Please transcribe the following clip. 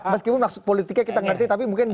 meskipun maksud politiknya kita ngerti tapi mungkin